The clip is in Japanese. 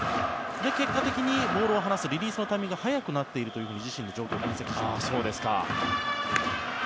結果的にボールを放すリリースのタイミングが早くなっているという自身の状況を分析していました。